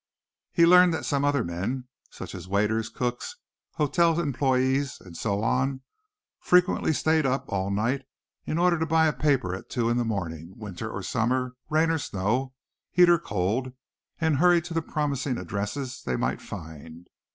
He learned that some other men, such as waiters, cooks, hotel employees and so on, frequently stayed up all night in order to buy a paper at two in the morning, winter or summer, rain or snow, heat or cold, and hurry to the promising addresses they might find.